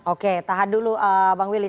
oke tahan dulu bang willy